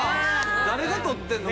誰が撮ってんの？